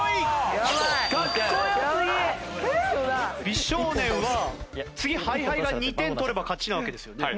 美少年は次ＨｉＨｉが２点取れば勝ちなわけですよね。